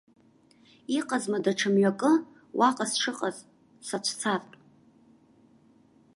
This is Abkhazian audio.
Иҟазма даҽа мҩакы, уаҟа сшыҟаз сацәцартә?